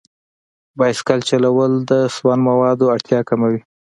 بایسکل چلول د سون موادو اړتیا کموي.